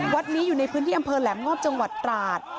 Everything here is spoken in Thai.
วัดนี้อยู่ในพื้นที่อำเภอแหลมงอบจังหวัดตราด